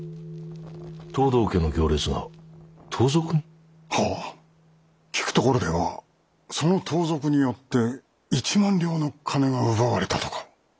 藤堂家の行列が盗賊に？はあ聞くところではその盗賊によって１万両の金が奪われたとか。